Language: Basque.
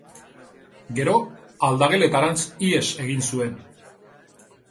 Gero, aldageletarantz ihes egin zuen.